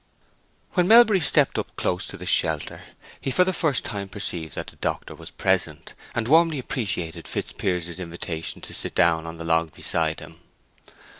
When Melbury stepped up close to the shelter, he for the first time perceived that the doctor was present, and warmly appreciated Fitzpiers's invitation to sit down on the log beside him.